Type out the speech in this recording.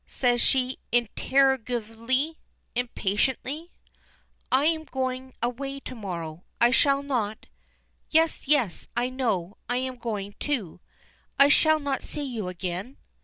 says she interrogatively, impatiently. "I am going away to morrow I shall not " "Yes, yes I know. I am going, too." "I shall not see you again?"